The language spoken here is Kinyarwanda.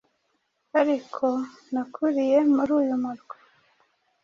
ariko nakuriye muri uyu murwa,